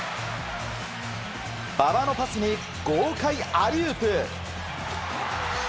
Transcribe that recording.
馬場のパスに豪快アリウープ。